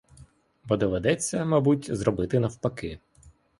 Бо доведеться, мабуть, зробити навпаки.